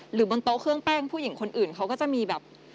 บนโต๊ะเครื่องแป้งผู้หญิงคนอื่นเขาก็จะมีแบบ